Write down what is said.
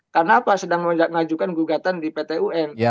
karena apa sedang mengajukan gugatan di pt un